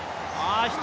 １人